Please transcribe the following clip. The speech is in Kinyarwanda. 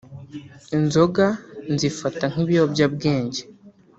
Inzoga nzifata nk’ibiyobyabwenge